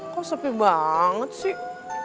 kok sepi banget sih